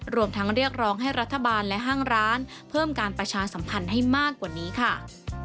รวมทั้งเรียกร้องให้รัฐบาลและห้างร้านเพิ่มการประชาสัมพันธ์ให้มากกว่านี้ค่ะ